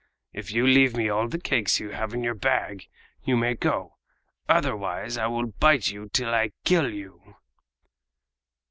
If you leave me all the cakes you have in your bag you may go; otherwise I will bite you till I kill you!"